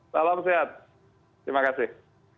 salam sehat terima kasih